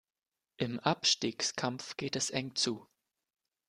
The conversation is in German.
Im Abstiegskampf geht es eng zu.